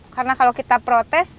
karena kalau kita protes